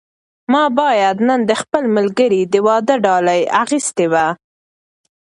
ما باید نن د خپل ملګري د واده ډالۍ اخیستې وای.